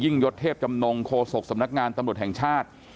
ยศเทพจำนงโคศกสำนักงานตำรวจแห่งชาติ